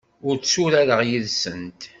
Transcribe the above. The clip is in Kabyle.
Ur tturareɣ yes-sent.